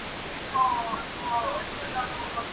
چي نن سپک سي، سبا ورک سي.